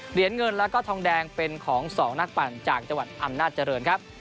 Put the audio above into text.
เหรียญเงินแล้วก็ทองแดงเป็นของ๒นักปั่นจากจังหวัดอำนาจเจริญครับ